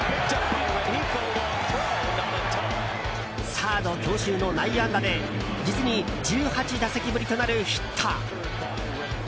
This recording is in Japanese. サード強襲の内野安打で実に１８打席ぶりとなるヒット。